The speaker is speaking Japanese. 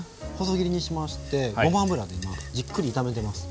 細切りにしましてごま油でじっくり炒めてます。